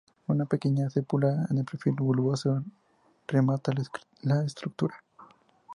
Una pequeña cúpula de perfil bulboso remata la estructura.